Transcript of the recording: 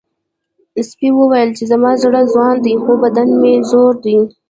سپي وویل چې زما زړه ځوان دی خو بدن مې زوړ دی.